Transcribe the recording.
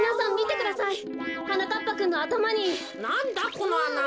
このあな。